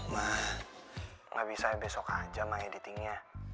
ma nggak bisa besok aja ma editingnya